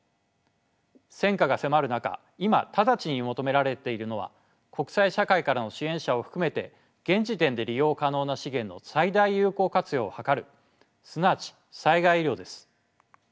戦火が迫る中今直ちに求められているのは国際社会からの支援者を含めて現時点で利用可能な資源の最大有効活用を図るすなわち災害医療です。